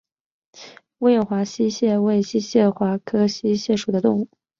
威远华溪蟹为溪蟹科华溪蟹属的动物。